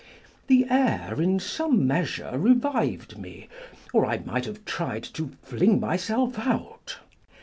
The air in some measure revived me, or I might have tried to fling myself out.